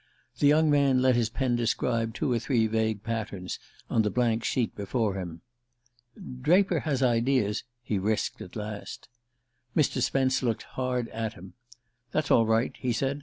The young man let his pen describe two or three vague patterns on the blank sheet before him. "Draper has ideas " he risked at last. Mr. Spence looked hard at him. "That's all right," he said.